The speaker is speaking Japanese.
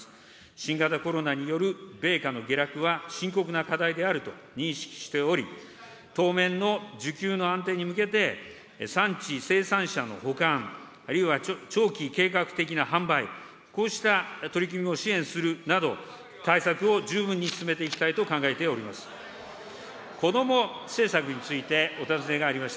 新型コロナによる米価の下落は、深刻な課題であると認識しており、当面の需給の安定に向けて、産地生産者の保管、あるいは長期計画的な販売、こうした取り組みを支援するなど、対策を十分に進めていきたいと考えております。